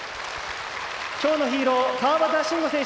きょうのヒーロー川端慎吾選手